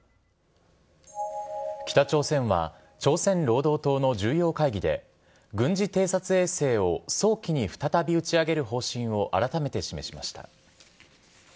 北朝鮮は朝鮮労働党の重要会議で軍事偵察衛星を早期に再び打ち上げる方針を改めて示しました。